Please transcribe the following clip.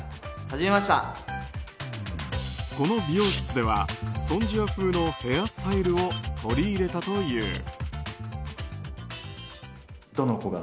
この美容室ではソン・ジア風のヘアスタイルを取り入れたという。